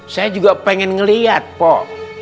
saya juga pengen ngeliat po